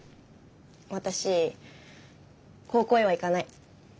私高校へは行かない。